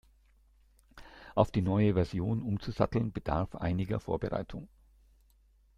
Auf die neue Version umzusatteln, bedarf einiger Vorbereitung.